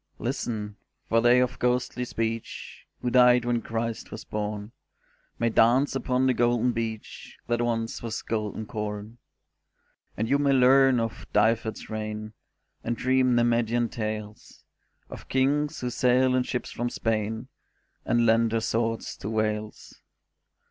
Listen, for they of ghostly speech, Who died when Christ was born, May dance upon the golden beach That once was golden corn. And you may learn of Dyfed's reign, And dream Nemedian tales Of Kings who sailed in ships from Spain And lent their swords to Wales.